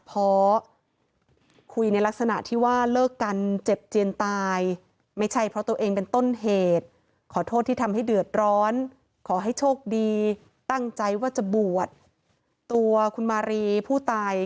ผมยินไทยว่าจะบวชตัวคุณมารีผู้ตาย